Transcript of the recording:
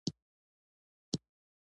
چین د بریکس سازمان بنسټ ایښودونکی دی.